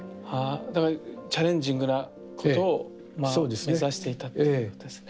だからチャレンジングなことを目指していたっていうことですね。